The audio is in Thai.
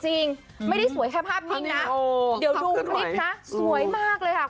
จริงไม่ได้สวยแค่ภาพนิ่งนะเดี๋ยวดูคลิปนะสวยมากเลยค่ะ